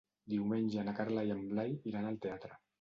Diumenge na Carla i en Blai iran al teatre.